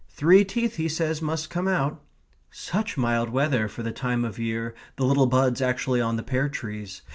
Three teeth, he says, must come out. Such mild weather for the time of year, the little buds actually on the pear trees.